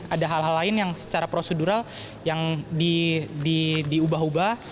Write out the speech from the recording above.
ada hal hal lain yang secara prosedural yang diubah ubah